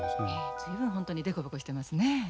随分本当に凸凹してますね。